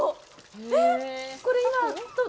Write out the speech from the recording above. えっ？